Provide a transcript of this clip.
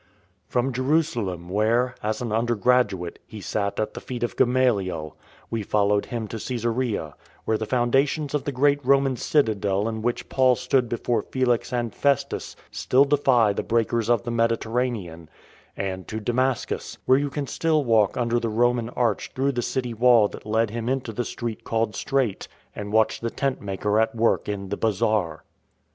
From Jerusalem, where, as an undergraduate, he sat at the feet of Gamaliel, we followed him to Caesarea, where the foundations of the great Roman citadel in which Paul stood before Felix and Festus still defy the breakers of the Mediterranean, and to Damascus, where you can still walk under the Roman arch through the city wall that led him into the Street 9 10 PAUL THE DAUNTLESS called Straight, and watch the tent maker at work in the bazaar.